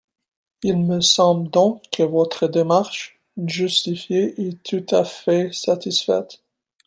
Il me semble donc que votre démarche, justifiée, est tout à fait satisfaite.